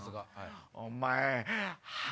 お前。